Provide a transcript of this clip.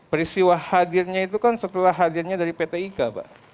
peristiwa hadirnya itu kan setelah hadirnya dari pt ika pak